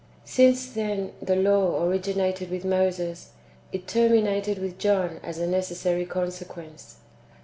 2. Since, then, the law originated with Moses, it terminated with John as a necessary consequence.